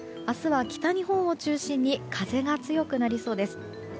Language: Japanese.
明日は北日本を中心に風が強くなりそうです。